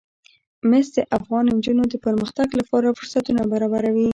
مس د افغان نجونو د پرمختګ لپاره فرصتونه برابروي.